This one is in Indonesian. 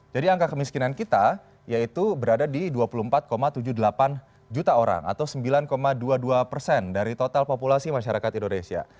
jadi angka kemiskinan kita yaitu berada di dua puluh empat tujuh puluh delapan juta orang atau sembilan dua puluh dua persen dari total populasi masyarakat indonesia